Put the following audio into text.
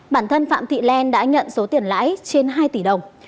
bản thân phạm thị len đã nhận số tiền lãi trên hai tỷ đồng